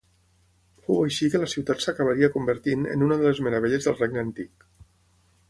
Fou així que la ciutat s'acabaria convertint en una de les meravelles del regne antic.